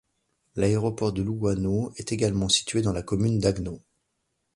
L'aéroport de Lugano est également situé dans la commune d'Agno.